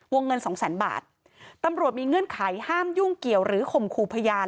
เงินสองแสนบาทตำรวจมีเงื่อนไขห้ามยุ่งเกี่ยวหรือข่มขู่พยาน